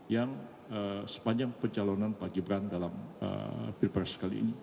yang sepanjang pencalonan pak gibran dalam pilpres kali ini